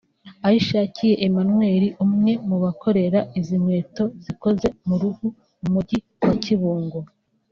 Ahishakiye Emmanuel umwe mu bakorera izi nkweto zikoze mu ruhu mu mujyi wa Kibungo